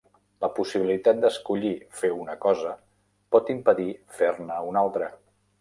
La possibilitat d'escollir fer una cosa pot impedir fer-ne una altra.